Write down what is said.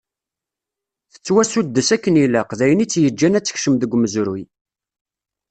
Tettwasuddes akken ilaq, d ayen i tt-yeǧǧan ad tekcem deg umezruy.